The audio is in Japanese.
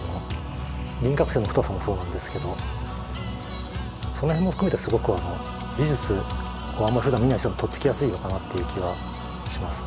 輪郭線の太さもそうなんですけどそのへんも含めてすごく美術をあんまふだん見ない人もとっつきやすいのかなっていう気はしますね